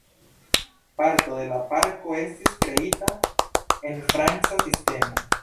Parto de la parko estis kreita en franca sistemo.